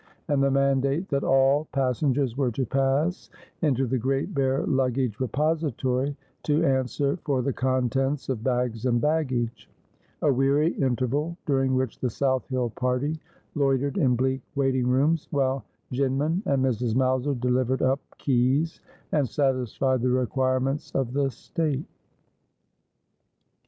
and the mandate that all pas sengers were to pass into the great bare luggage repository to answer for the contents of bags and baggage ; a weary interval, during which the South Hill party loitered in bleak waiting rooms, while Jinman and Mrs. Mowser delivered up keys, and satisfied the requirements of the State.